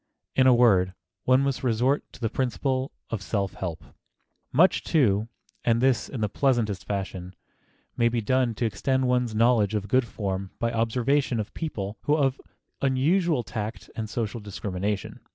In a word, one must resort to the principle of self help. [Sidenote: LEARN BY OBSERVATION] Much, too, and this in the pleasantest fashion, may be done to extend one's knowledge of good form by observation of people who have unusual tact and social discrimination.